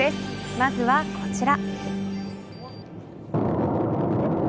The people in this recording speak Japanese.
まずはこちら。